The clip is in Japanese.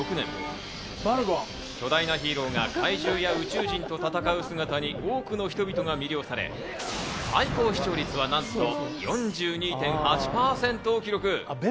巨大なヒーローが怪獣や宇宙人と戦う姿に多くの人々が魅了され、最高視聴率はなんと４２．８％を記録。